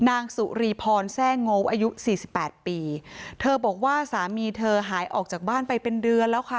นางสุรีพรแทร่งโง่อายุสี่สิบแปดปีเธอบอกว่าสามีเธอหายออกจากบ้านไปเป็นเดือนแล้วค่ะ